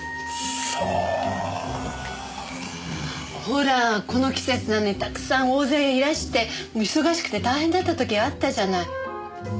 ほらこの季節なのにたくさん大勢いらして忙しくて大変だった時あったじゃない。